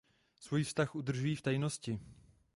Svůj vztah udržují v tajnosti.